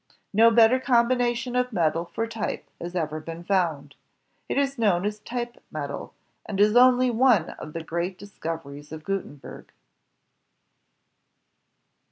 No better combination of metal for type has ever been found. It is known as type metal, and is only one of the great discoveries of Gutenberg.